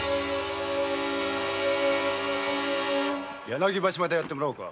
柳橋までやってもらおうか。